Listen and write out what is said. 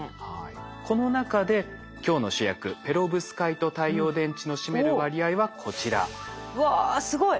この中で今日の主役ペロブスカイト太陽電池の占める割合はこちら。わすごい。